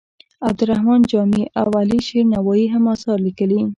عبدالرحمان جامي او علي شیر نوایې هم اثار لیکلي.